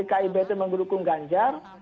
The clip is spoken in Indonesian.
kib itu mendukung ganjar